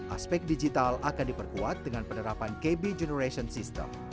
aspek digital akan diperkuat dengan penerapan kb generation system